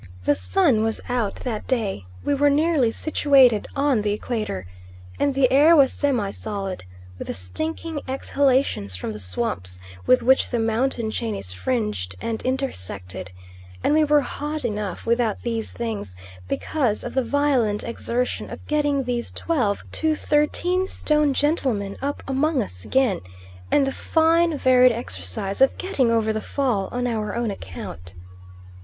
The sun was out that day; we were neatly situated on the Equator, and the air was semisolid, with the stinking exhalations from the swamps with which the mountain chain is fringed and intersected; and we were hot enough without these things, because of the violent exertion of getting these twelve to thirteen stone gentlemen up among us again, and the fine varied exercise of getting over the fall on our own account.